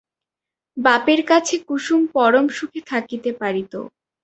বাপের কাছে কুসুম পরম সুখে থাকিতে পারিত।